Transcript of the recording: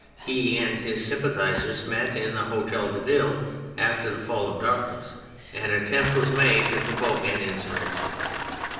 He and his sympathisers met in the Hotel de Ville after the fall of darkness, and an attempt was made to provoke an insurrection.